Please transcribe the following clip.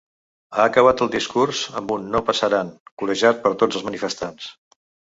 Ha acabat el discurs amb un ‘no passaran’, corejat per tots els manifestants.